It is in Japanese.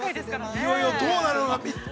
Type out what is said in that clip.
◆いよいよどうなるのか。